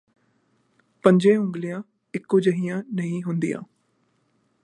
ਪੰਜੇ ਉਂਗਲਾਂ ਇਕੋ ਜਿਹੀਆਂ ਨਹੀਂ ਹੁੰਦੀਆਂ